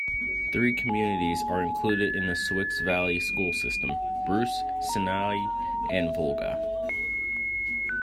Three communities are included in the Sioux Valley school system: Bruce, Sinai, and Volga.